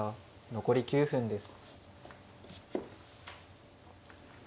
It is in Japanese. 残り９分です。